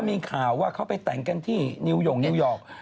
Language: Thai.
มีข่าวว่าเขาไปแต่งกันที่นิวย่งนิวยอร์ก